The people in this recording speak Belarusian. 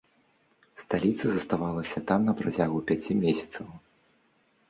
Сталіца заставалася там на працягу пяці месяцаў.